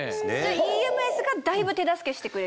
ＥＭＳがだいぶ手助けしてくれる。